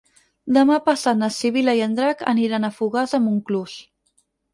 Demà passat na Sibil·la i en Drac aniran a Fogars de Montclús.